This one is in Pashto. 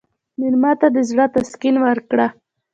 مېلمه ته د زړه تسکین ورکړه.